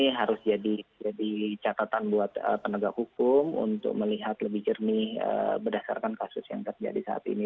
ini harus jadi catatan buat penegak hukum untuk melihat lebih jernih berdasarkan kasus yang terjadi saat ini